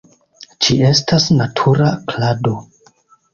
Ĝi estas natura klado.